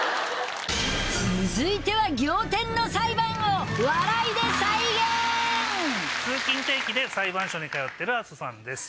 続いては仰天の裁判を笑いで再現通勤定期で裁判所に通ってる阿曽さんです。